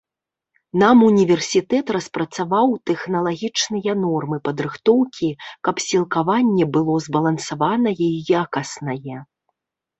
Нам універсітэт распрацаваў тэхналагічныя нормы падрыхтоўкі, каб сілкаванне было збалансаванае і якаснае.